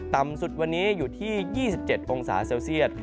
ต่ำสุดวันนี้อยู่ที่๒๗องศาเซลเซียต